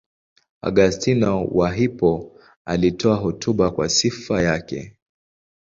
Augustino wa Hippo alitoa hotuba kwa sifa yake.